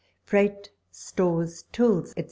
Freight, stores, tools, &c.